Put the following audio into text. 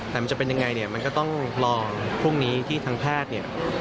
แต่มันจะเป็นยังไงเนี่ยมันก็ต้องรอพรุ่งนี้ที่ทางแพทย์เนี่ย